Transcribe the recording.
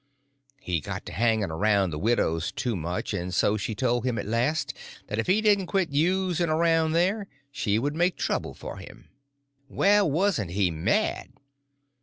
He got to hanging around the widow's too much and so she told him at last that if he didn't quit using around there she would make trouble for him. Well, wasn't he mad?